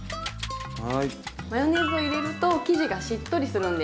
マヨネーズを入れると生地がしっとりするんです。